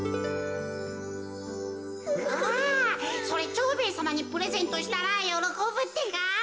蝶兵衛さまにプレゼントしたらよろこぶってか。